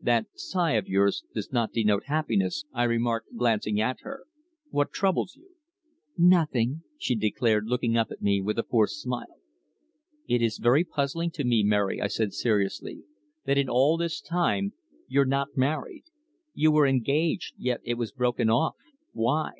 "That sigh of yours does not denote happiness," I remarked, glancing at her. "What troubles you?" "Nothing," she declared, looking up at me with a forced smile. "It is puzzling to me, Mary," I said seriously, "that in all this time you've not married. You were engaged, yet it was broken off. Why?"